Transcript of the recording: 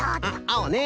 あおね。